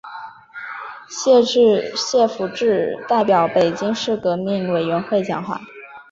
谢富治代表北京市革命委员会讲话。